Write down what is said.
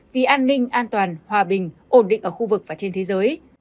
vì an ninh an toàn hòa bình ổn định ở khu vực và trên thế giới